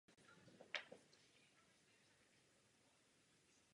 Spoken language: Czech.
Jeho týmový kolega Richard Burns nabral při brodu vodu a byl až pátý.